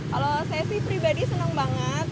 kalau saya sih pribadi senang banget